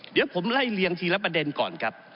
เดี๋ยวผมไล่เลียงทีละประเด็นก่อนครับ